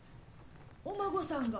お孫さんが。